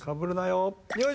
よいしょ。